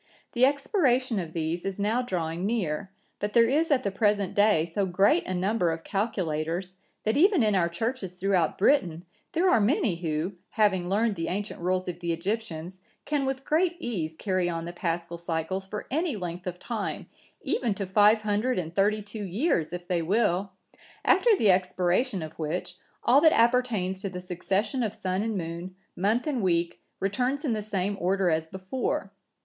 The expiration of these is now drawing near, but there is at the present day so great a number of calculators, that even in our Churches throughout Britain, there are many who, having learned the ancient rules of the Egyptians, can with great ease carry on the Paschal cycles for any length of time, even to five hundred and thirty two years,(978) if they will; after the expiration of which, all that appertains to the succession of sun and moon, month and week, returns in the same order as before.